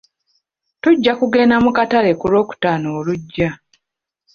Tujja kugenda mu katale ku lwokutaano olujja.